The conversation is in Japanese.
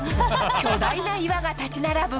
巨大な岩が立ち並ぶ